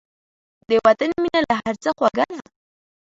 د وطن مینه له هر څه خوږه ده.